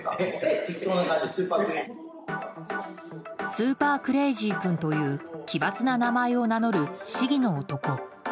スーパークレイジー君という奇抜な名前を名乗る市議の男。